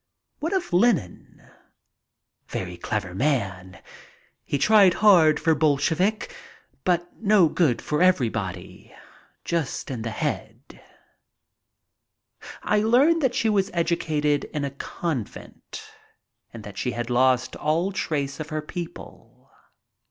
"What of Lenin?" "Very clever man. He tried hard for Bolshevik — but no good for everybody — just in the head." I learn that she was educated in a convent and that she had lost all trace of her people.